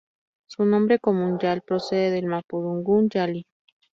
Su nombre común, yal, procede del mapudungún "yali".